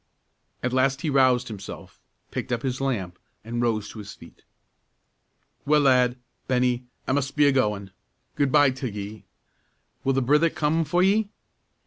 At last he roused himself, picked up his lamp, and rose to his feet. "Well, lad, Bennie, I mus' be a goin'; good by till ye. Will the brither come for ye?"